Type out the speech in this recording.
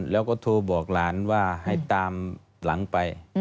แล้วก็โทรบอกหลานว่าให้ตามหลังไป